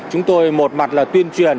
chúng tôi một mặt là tuyên truyền